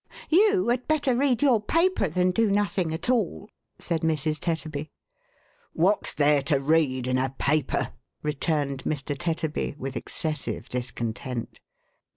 "You had better read your paper than do nothing at all," said Mrs. Tetterby. "What's there to read in a paper?" returned Mr. Tetterby, with excessive discontent.